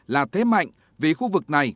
là thế mạnh vì khu vực này